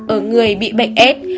ở người bị bệnh s